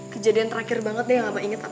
kejadian terakhir banget yang abah inget